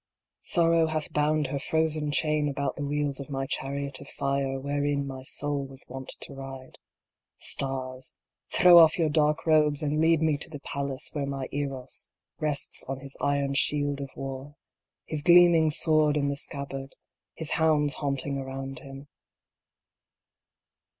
Sorrow hath bound her frozen chain about the wheels of my chariot of fire wherein my soul was wont to ride. Stars, throw off your dark robes, and lead me to the palace where my Eros rests on his iron shield of war, his gleaming sword in the scabbard, his hounds haunting around him.